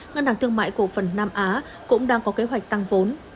ngân hàng thương mại cổ phần nam á cũng đang có kế hoạch tăng vốn